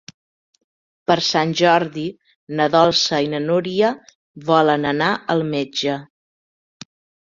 Per Sant Jordi na Dolça i na Núria volen anar al metge.